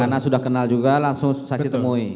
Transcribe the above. karena sudah kenal juga langsung saksi temui